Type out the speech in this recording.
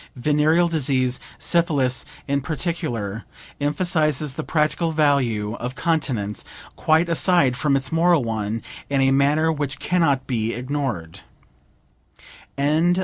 Venereal disease, syphilis in particular, emphasizes the practical value of continence quite aside from its moral one in a manner which cannot be ignored!